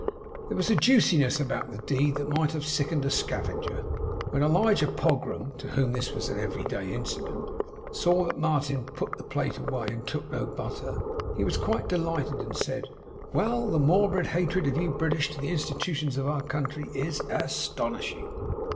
There was a juiciness about the deed that might have sickened a scavenger. When Elijah Pogram (to whom this was an every day incident) saw that Martin put the plate away, and took no butter, he was quite delighted, and said, 'Well! The morbid hatred of you British to the Institutions of our country is as TONishing!